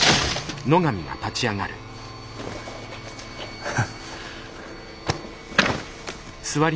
ハハ。